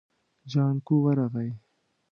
جانکو ورغی.